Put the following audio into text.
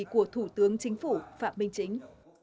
của thủ tướng chính phủ phạm minh chính